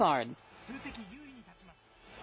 数的優位に立ちます。